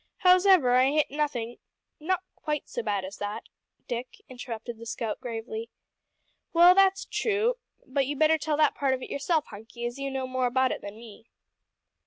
Hows'ever, I hit nothin' " "Not quite so bad as that, Dick," interrupted the scout gravely. "Well, that's true, but you better tell that part of it yourself, Hunky, as you know more about it than me."